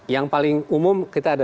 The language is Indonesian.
yang paling umum kita ada